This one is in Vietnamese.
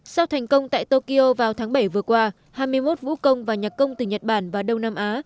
sau thành công tại tokyo vào tháng bảy vừa qua hai mươi một vũ công và nhạc công từ nhật bản và đông nam á